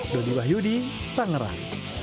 dodi wahyudi tangerang